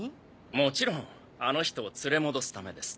もちろんあの人を連れ戻すためです。